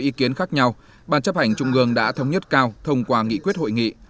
ý kiến khác nhau ban chấp hành trung ương đã thống nhất cao thông qua nghị quyết hội nghị